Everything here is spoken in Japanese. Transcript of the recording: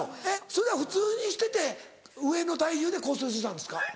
それは普通にしてて上の体重で骨折したんですか？